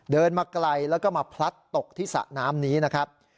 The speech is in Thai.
มาไกลแล้วก็มาพลัดตกที่สระน้ำนี้นะครับ